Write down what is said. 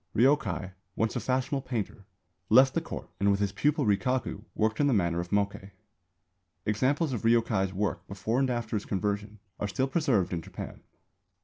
Ryōkai, once a fashionable painter, left the Court and with his pupil Rikaku worked in the manner of Mokkei. Examples of Ryōkai's work before and after his conversion are still preserved in Japan.